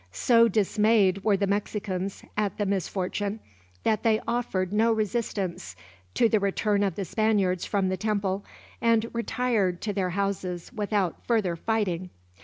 So dismayed were the Mexicans, at the misfortune, that they offered no resistance to the return of the Spaniards from the temple, and retired to their houses without further fighting.